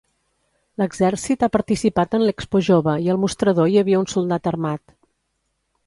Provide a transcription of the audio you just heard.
L'Exèrcit ha participat en l'Expojove i al mostrador hi havia un soldat armat.